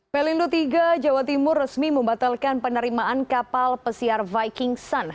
pelindo tiga jawa timur resmi membatalkan penerimaan kapal pesiar viking sun